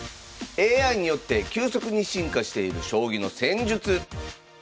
ＡＩによって急速に進化している将棋の戦術。